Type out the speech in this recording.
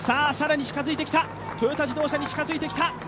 更に近づいてきた、トヨタ自動車に近づいてきた。